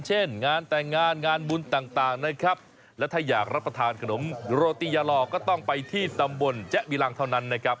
เช่นงานแต่งงานงานบุญต่างนะครับและถ้าอยากรับประทานขนมโรตียาลอก็ต้องไปที่ตำบลแจ๊บิลังเท่านั้นนะครับ